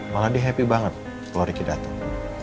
malah dia happy banget kalau ricky datang